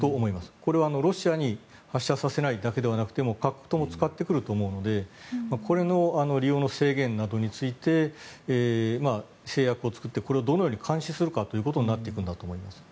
これはロシアに発射させないだけではなくて各国とも使ってくると思うのでこれの利用の制限などについて制約を作ってそれをどうやって監視するかということになるんだと思います。